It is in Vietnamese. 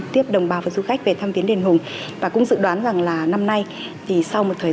tiếp đồng bào và du khách về thăm viến đền hùng và cũng dự đoán rằng là năm nay thì sau một thời